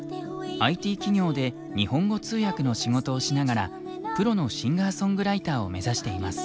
ＩＴ企業で日本語通訳の仕事をしながらプロのシンガーソングライターを目指しています。